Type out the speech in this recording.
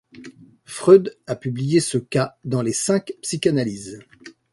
Freud a publié ce cas dans les Cinq Psychanalyses.